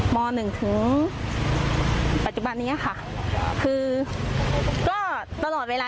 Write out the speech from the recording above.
ม๑ถึงปัจจุบันนี้ค่ะ